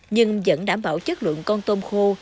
nhưng vẫn đảm bảo chất lượng con tôm khô